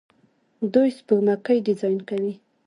دوی سپوږمکۍ ډیزاین کوي.